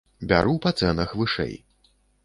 Бяру па цэнах вышэй!